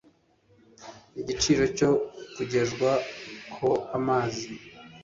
igiciro cyo kugezwa ho amazi